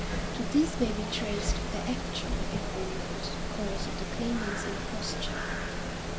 To this may be traced the actual, if remote, cause of the Claimant's imposture.